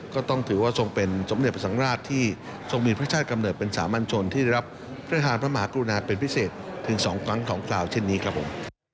ก็ต้องถือว่าทรงเป็นสมเด็จพระสังราชที่ทรงมีพระชาติกำเนิดเป็นสามัญชนที่ได้รับพระทานพระมหากรุณาเป็นพิเศษถึง๒ครั้งของคราวเช่นนี้ครับผม